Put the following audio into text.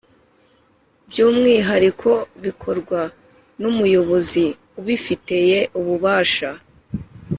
Byumwihariko bikorwa n’umuyobozi ubifiteye ububasha